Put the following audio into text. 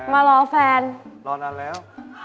มาแล้ว